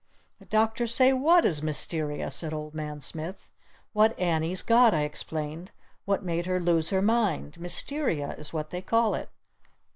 "The Doctors say what is Mysteria?" said Old Man Smith. "What Annie's got!" I explained. "What made her lose her mind! Mysteria is what they call it."